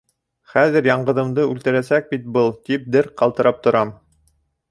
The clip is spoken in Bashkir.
Хәҙер яңғыҙымды үлтерәсәк бит был, тип дер ҡалтырап торам.